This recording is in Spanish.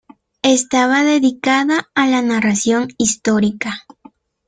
Estaba dedicada a la narración histórica.